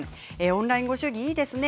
オンラインご祝儀いいですね。